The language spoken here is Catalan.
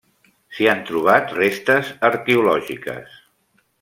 S'hi han trobat restes arqueològiques.